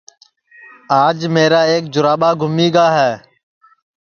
آج میرا ایک جُراٻا گُمی گا ہے